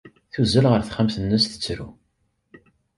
Tuzzel ɣer texxamt-nnes, tettru.